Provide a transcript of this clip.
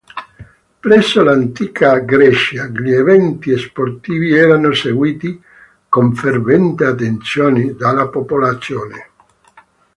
Presso l'antica Grecia gli eventi sportivi erano seguiti con fervente attenzione dalla popolazione.